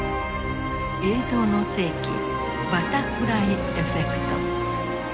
「映像の世紀バタフライエフェクト」。